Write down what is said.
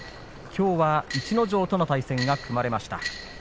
きょうは逸ノ城との対戦が組まれました。